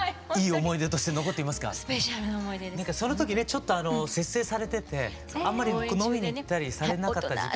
ちょっとあの節制されててあんまり飲みに行ったりされなかった時期で。